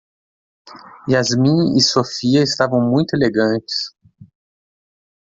Yasmin e Sophia estavam muito elegantes.